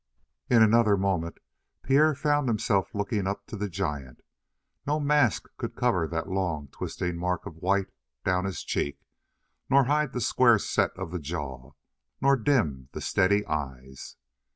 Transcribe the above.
In another moment Pierre found himself looking up to the giant. No mask could cover that long, twisting mark of white down his cheek, nor hide the square set of the jaw, nor dim the steady eyes.